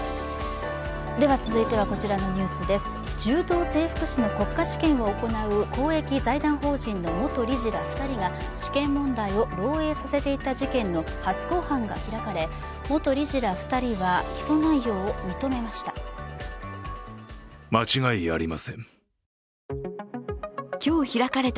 柔道整復師の国家試験を行う公益財団法人の元理事ら２人が試験問題を漏えいさせていた事件の初公判が開かれ元理事ら２人は起訴内容を認めました。